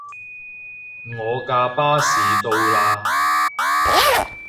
我架巴士到喇